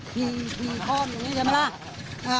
คลีข้อมอย่างนี้ใช่ไหมคะ